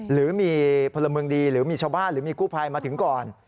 หรือมีพลเมืองดีหรือมีชาวบ้านหรือมีกู้ภัยมาถึงก่อน